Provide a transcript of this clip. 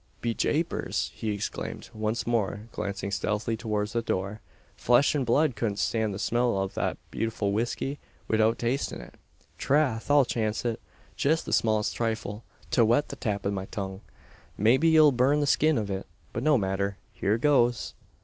"Be japers!" he exclaimed, once more glancing stealthily towards the door, "flesh and blood cudn't stand the smell av that bewtiful whisky, widout tastin' it. Trath! I'll chance it jist the smallest thrifle to wet the tap av my tongue. Maybe it'll burn the skin av it; but no matther here goes!"